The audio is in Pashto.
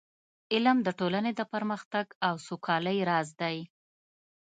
علم د ټولنې د پرمختګ او سوکالۍ راز دی.